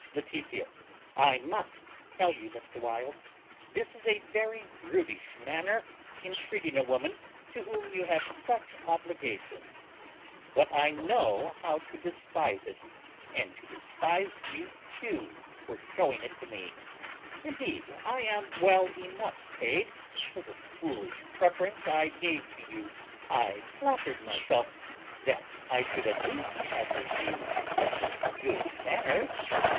Laetitia. I must tell you, Mr. Wild, this is a very brutish manner in treating a woman to whom you have such obligations; but I know how to despise it, and to despise you too for shewing it me. Indeed I am well enough paid for the foolish preference I gave to you. I flattered myself that I should at least have been used with good manners.